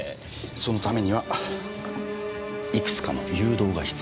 そのためにはいくつかの誘導が必要だった。